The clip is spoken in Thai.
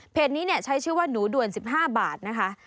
นี้ใช้ชื่อว่าหนูด่วน๑๕บาทนะคะ